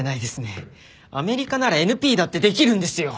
アメリカならＮＰだってできるんですよ。